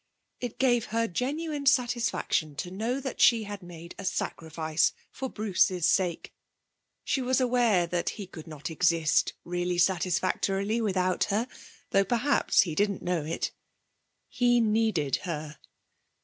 It gave her genuine satisfaction to know that she had made a sacrifice for Bruce's sake. She was aware that he could not exist really satisfactorily without her, though perhaps he didn't know it. He needed her.